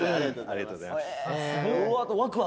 ありがとうございます。